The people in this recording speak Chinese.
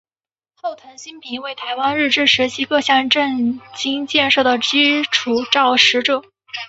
后藤新平为台湾日治时期各项政经建设的基础肇始者。